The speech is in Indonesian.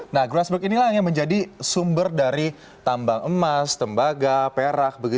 nah grassberg inilah yang menjadi sumber dari tambang emas tembaga perak